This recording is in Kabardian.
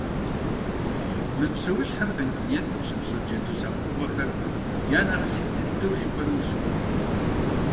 Мы псэущхьэр континентым щыпсэу джэду лъэпкъыгъуэхэм я нэхъ ин дыдэу жыпӏэми, ущыуэнкъым.